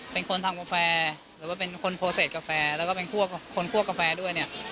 เป็นคนทำกาแฟเป็นคนโพสเซตกาแฟและเป็นคนคั่วกาแฟด้วย